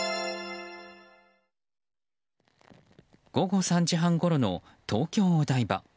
午後３時半ごろの東京・お台場。